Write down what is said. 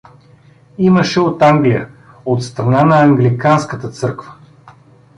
Имаше от Англия — от страна на англиканската църква.